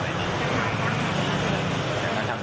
แล้วมันทำอย่างนั้น